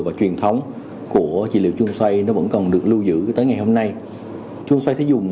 và truyền thống của trị liệu chương xoay nó vẫn còn được lưu giữ tới ngày hôm nay chương xoay sẽ dùng